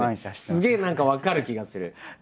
すげえ何か分かる気がする。